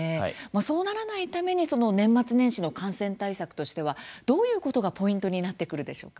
そうならないためにその年末年始の感染対策としてはどういうことがポイントになってくるでしょうか。